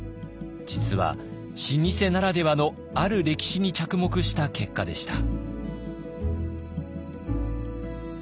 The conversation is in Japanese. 実は老舗ならではのある歴史に着目した結果でした。